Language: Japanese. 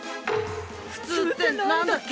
普通って何だっけ。